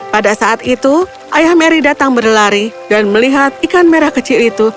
pada saat itu ayah mary datang berlari dan melihat ikan merah kecil itu